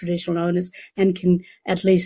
anti munya mengatakan bahwa